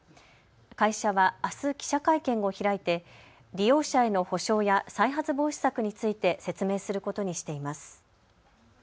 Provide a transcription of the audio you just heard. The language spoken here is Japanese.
会社はあす記者会見を開いて利用者への補償や再発防止策について説明することにしています。